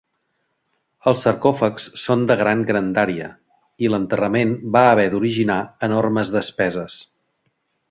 Els sarcòfags són de gran grandària, i l'enterrament va haver d'originar enormes despeses.